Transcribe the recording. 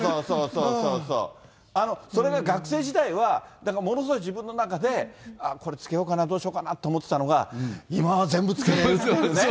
そうそうそう、学生時代はなんかものすごい自分の中で、これつけようかな、どうしようかなって思ってたのが、今は全部つけられるというね。